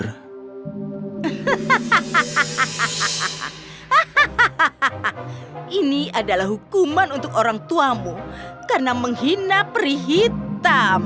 hahaha ini adalah hukuman untuk orang tuamu karena menghina perih hitam